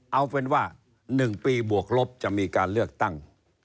เอาเป็นว่า๑ปีบวกลบจะมีการเลือกตั้ง